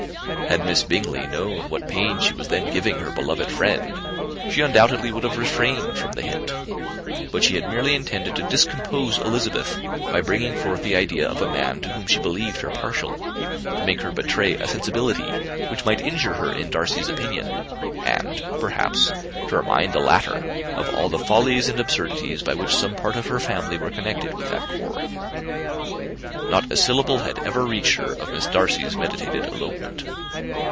Had Miss Bingley known what pain she was then giving her beloved friend, she undoubtedly would have refrained from the hint; but she had merely intended to discompose Elizabeth, by bringing forward the idea of a man to whom she believed her partial, to make her betray a sensibility which might injure her in Darcy's opinion, and, perhaps, to remind the latter of all the follies and absurdities by which some part of her family were connected with that corps. Not a syllable had ever reached her of Miss Darcy's meditated elopement.